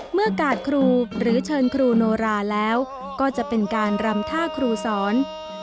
กาดครูหรือเชิญครูโนราแล้วก็จะเป็นการรำท่าครูสอน